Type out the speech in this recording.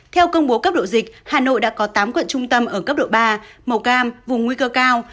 theo công bố cấp độ dịch hà nội đã có tám quận trung tâm ở cấp độ ba màu cam vùng nguy cơ cao